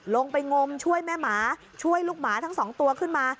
ลงไปงมช่วยแม่หมาช่วยลูกหมาทั้งสองตัวขึ้นมา